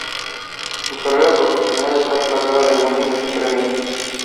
Su carrera profesional está plagada de múltiples premios.